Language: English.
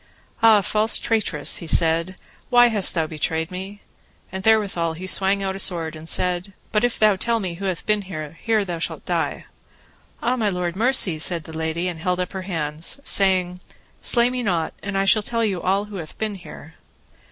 Ah, false traitress, then he said, why hast thou betrayed me? And therewithal he swang out a sword, and said: But if thou tell me who hath been here, here thou shalt die. Ah, my lord, mercy, said the lady, and held up her hands, saying: Slay me not, and I shall tell you all who hath been here.